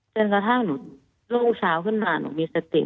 จนกระทั่งหนูรุ่งเช้าขึ้นมาหนูมีสติ